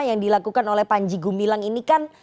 yang dilakukan oleh panji gumilang ini kan